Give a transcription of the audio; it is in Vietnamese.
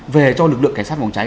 về cho lực lượng cảnh sát bóng cháy